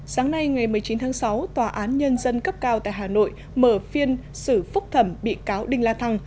sáng nay ngày một mươi chín tháng sáu tòa án nhân dân cấp cao tại hà nội mở phiên xử phúc thẩm bị cáo đinh la thăng